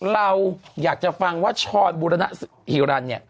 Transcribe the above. เราอยากจะฟังว่าชอนบุรณะหิวรัน